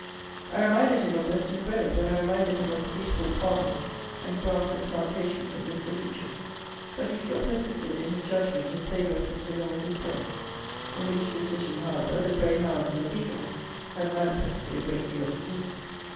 I reminded him of Weston Grove; and I reminded him of the beautiful ponds and grass and plantations at Mr. Leach's; but he still persisted in his judgment in favour of Mr. Knowles's place, in which decision, however, the greyhounds and the beagles had manifestly a great deal to do.